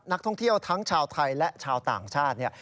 นักท่องเที่ยวทั้งชาวไทยและชาวต่างชาติเนี่ย